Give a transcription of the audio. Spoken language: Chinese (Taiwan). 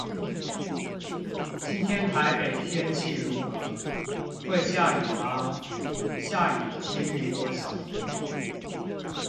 今天台北天氣如何?會下雨嗎?下雨機率多少?